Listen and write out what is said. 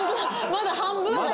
まだ半分だ。